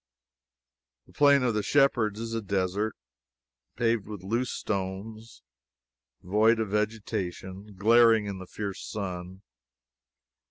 The Plain of the Shepherds is a desert, paved with loose stones, void of vegetation, glaring in the fierce sun.